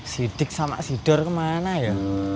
sidik sama sidor kemana ya